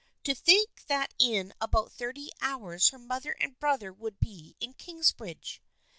To think that in about thirty hours her mother and brother would be in Kingsbridge